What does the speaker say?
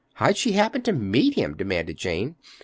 How'd she happen to meet him?" demanded Jane.